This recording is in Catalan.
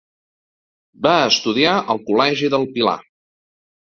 Va estudiar al Col·legi del Pilar.